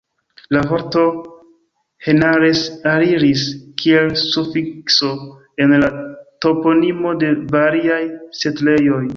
La vorto "henares" aliris, kiel sufikso, en la toponimo de variaj setlejoj.